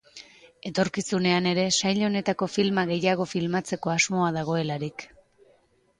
Etorkizunean ere sail honetako filma gehiago filmatzeko asmoa dagoelarik.